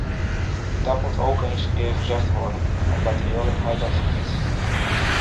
Dat moet ook eens een keer gezegd worden, omdat de eerlijkheid dat gebiedt.